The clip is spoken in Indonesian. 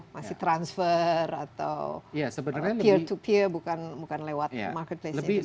masih transfer atau peer to peer bukan lewat marketplace nya itu sendiri